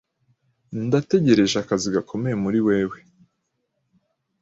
Ndategereje akazi gakomeye muri wewe.